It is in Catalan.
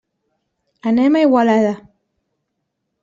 Anem a Igualada.